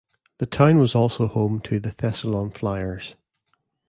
The town was also home to the Thessalon Flyers.